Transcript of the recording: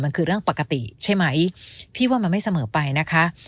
มันคือเรื่องปกติใช่ไหมพี่ว่ามันไม่เสมอไปนะคะ